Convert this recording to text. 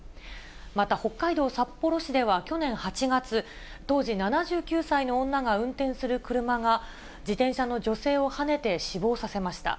また、北海道札幌市では去年８月、当時７９歳の女が運転する車が自転車の女性をはねて死亡させました。